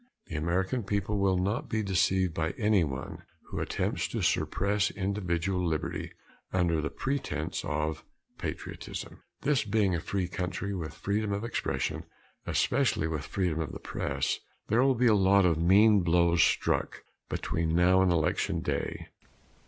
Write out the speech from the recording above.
The American people will not be deceived by anyone who attempts to suppress individual liberty under the pretense of patriotism. This being a free country with freedom of expression especially with freedom of the press there will be a lot of mean blows struck between now and Election Day.